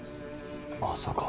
まさか。